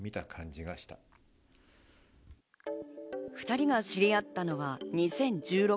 ２人が知り合ったのは２０１６年。